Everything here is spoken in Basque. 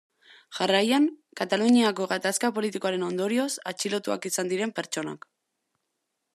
Jarraian Kataluniako gatazka politikoaren ondorioz atxilotuak izan diren pertsonak.